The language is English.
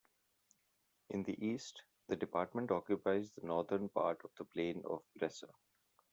In the east, the department occupies the northern part of the plain of Bresse.